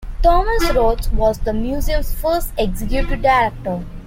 Thomas Rhoads was the Museum's first executive director.